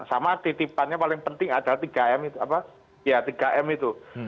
sama titipannya paling penting adalah tiga m itu